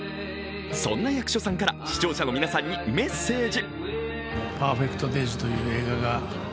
そんな役所さんから視聴者の皆さんにメッセージ。